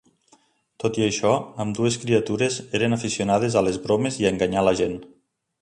Tot i això, ambdues criatures eren aficionades a les bromes i a enganyar la gent.